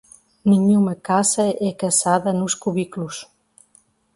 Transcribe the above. Nenhuma caça é caçada nos cubículos!